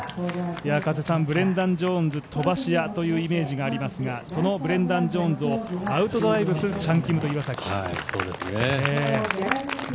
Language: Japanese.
ブレンダン・ジョーンズ飛ばし屋というイメージがありますが、そのブレンダン・ジョーンズをアウトドライブするチャン・キムと岩崎。